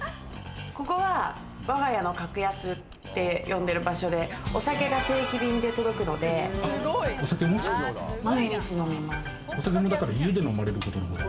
ここは、わが家のカクヤスって呼んでる場所でお酒が定期便で届くので、毎日飲みます。